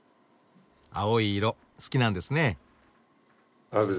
青い色好きなんですね。